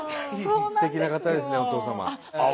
すてきな方ですねお父様。